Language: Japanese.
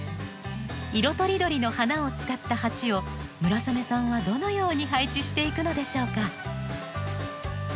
色とりどりの花を使った鉢を村雨さんはどのように配置していくのでしょうか？